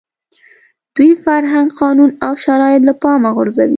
دوی فرهنګ، قانون او شرایط له پامه غورځوي.